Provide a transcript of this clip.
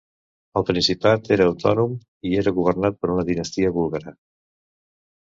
El principat era autònom i era governat per una dinastia búlgara.